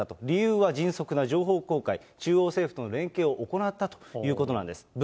理由は迅速な情報公開、中央政府との連携を怠ったということなんです。